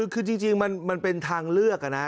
คือจริงมันเป็นทางเลือกนะ